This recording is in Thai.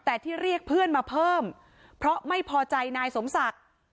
แต่ที่เรียกเพื่อนมาเพิ่มเพราะไม่พอใจนายสมศักดิ์